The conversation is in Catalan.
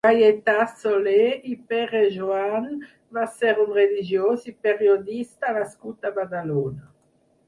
Gaietà Soler i Perejoan va ser un religiós i periodista nascut a Badalona.